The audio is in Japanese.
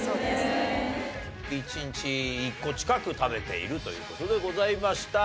１日１個近く食べているという事でございました。